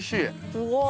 すごい！